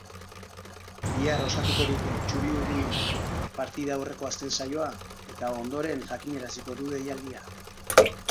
Bihar osatuko dute txuri-urdinek partida aurreko azken saioa eta ondoren jakinaraziko du deialdia.